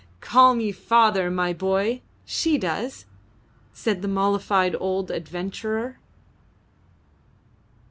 "Call me father, my boy. She does," said the mollified old adventurer.